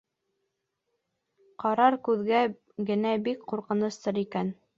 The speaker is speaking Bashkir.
Ҡарар күҙгә генә бик ҡурҡыныстар икән.